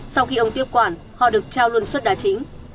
sau khi ông tiếp quản họ được trao luôn suất đà chính